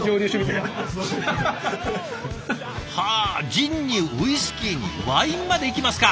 ジンにウイスキーにワインまでいきますか！